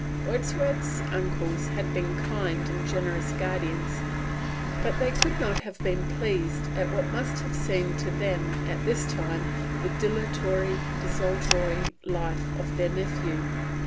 Wordsworth's uncles had been kind and generous guardians, but they could not have been pleased at what must have seemed to them at this time the dilatory, desultory life of their nephew.